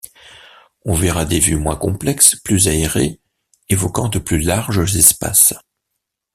On verra des vues moins complexes, plus aérées évoquant de plus larges espaces.